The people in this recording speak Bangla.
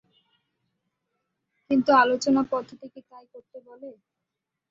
কিন্তু আলোচনা-পদ্ধতি কি তাই করতে বলে?